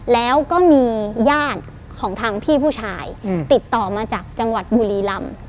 แล้วก็มีญาติของทางพี่ผู้ชายติดต่อมาจากจังหวัดบุรีลำ